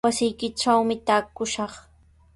Wasiykitrawmi taakushaq.